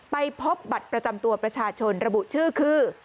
ไปพบบัตรประจำตัวประชาชนระบุชื่อคือ